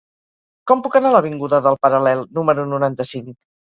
Com puc anar a l'avinguda del Paral·lel número noranta-cinc?